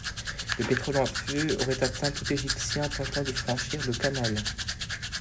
Le pétrole en feu aurait atteint tout Égyptien tentant de franchir le canal.